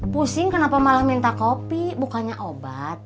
pusing kenapa malah minta kopi bukannya obat